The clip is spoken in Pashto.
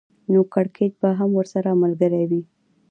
نو کړکېچ به هم ورسره ملګری وي